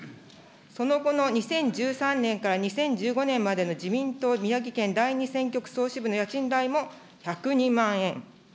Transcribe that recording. その後の２０１３年から２０１５年までの自民党宮城県第２選挙区総支部の家賃代も１０２万円。